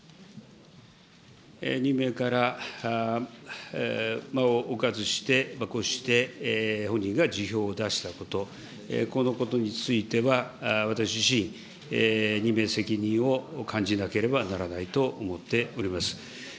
任命から間を置かずして、こうして本人が辞表を出したこと、このことについては私自身、任命責任を感じなければならないと思っております。